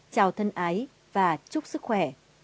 chào thân ái và chúc sức khỏe